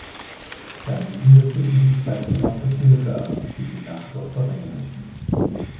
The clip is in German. Daneben befinden sich zwei Zimmer für Pilger, die die Nacht dort verbringen möchten.